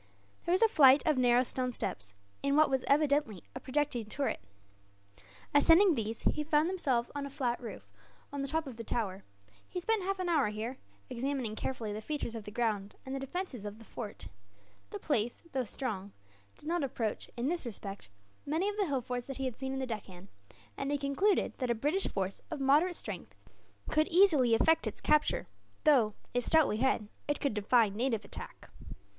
There was a flight of narrow stone steps, in what was evidently a projecting turret. Ascending these, he found himself on a flat roof, on the top of the tower. He spent half an hour here, examining carefully the features of the ground and the defences of the fort. The place, though strong, did not approach, in this respect, many of the hill forts that he had seen in the Deccan; and he concluded that a British force of moderate strength could easily effect its capture though, if stoutly held, it could defy native attack.